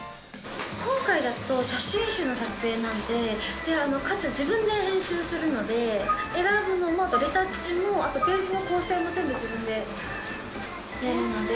今回だと写真集の撮影なんで、かつ自分で編集するので、選ぶのも、レタッチも、あとページの構成も全部自分でやるので。